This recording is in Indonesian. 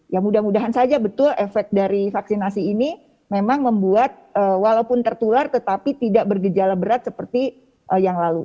ya mudah mudahan saja betul efek dari vaksinasi ini memang membuat walaupun tertular tetapi tidak bergejala berat seperti yang lalu